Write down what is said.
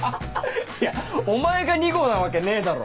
いやお前が２号なわけねえだろ。